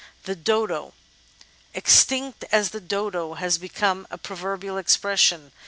The Dodo "Extinct as the Dodo" has become a proverbial expression.